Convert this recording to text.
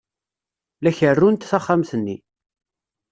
La kerrunt taxxamt-nni.